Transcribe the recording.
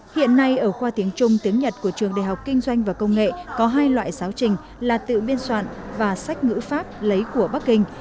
hiện nay ở khoa tiếng trung tiếng nhật của trường đại học kinh doanh và công nghệ có hai loại giáo trình là tự biên soạn và sách ngữ pháp lấy của bắc kinh